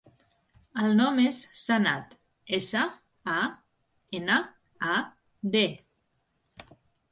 El nom és Sanad: essa, a, ena, a, de.